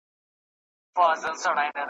همیشه به ځلاند ستوری د اسمان یې